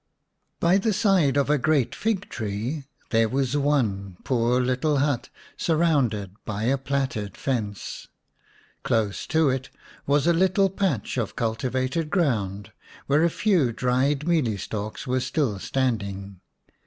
By the side of a great fig tree there was one poor little hut surrounded by a plaited fence. Close to it was a little patch of cultivated ground, where a few dried mealie stalks were still standing.